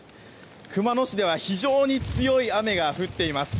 熊野市では非常に強い雨が降っています。